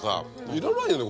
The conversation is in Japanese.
いらないよね